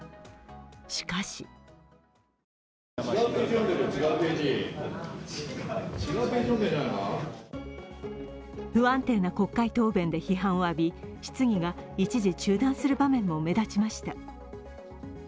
しかし不安定な国会答弁で批判を浴び質疑が一時中断する場面も目立ちました。